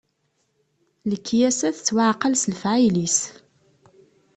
Lekyasa tettwaɛqal s lefɛayel-is.